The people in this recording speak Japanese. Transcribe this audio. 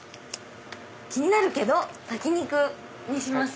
気になるけど炊き肉にします！